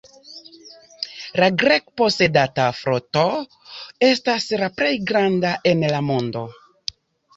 La Grek-posedata floto estas la plej granda en la mondo.